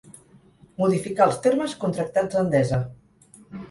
Modificar els termes contractats a Endesa.